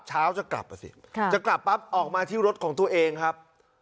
เช้าจะกลับอ่ะสิจะกลับปั๊บออกมาที่รถของตัวเองครับ